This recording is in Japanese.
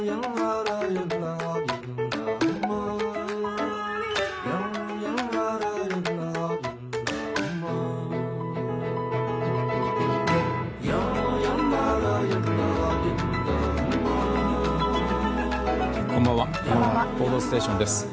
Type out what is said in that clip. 「報道ステーション」です。